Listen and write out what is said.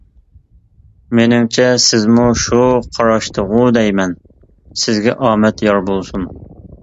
مېنىڭچە، سىزمۇ شۇ قاراشتىغۇ دەيمەن؟ سىزگە ئامەت يار بولسۇن!